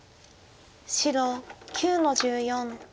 白９の十四。